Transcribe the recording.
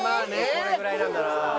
これぐらいなんだろうな。